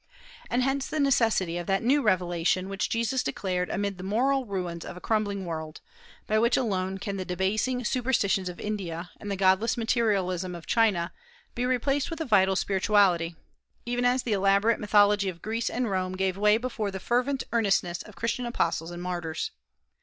And hence the necessity of that new revelation which Jesus declared amid the moral ruins of a crumbling world, by which alone can the debasing superstitions of India and the godless materialism of China be replaced with a vital spirituality, even as the elaborate mythology of Greece and Rome gave way before the fervent earnestness of Christian apostles and martyrs.